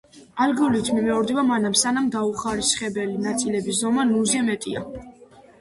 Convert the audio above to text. ალგორითმი მეორდება მანამ, სანამ დაუხარისხებელი ნაწილის ზომა ნულზე მეტია.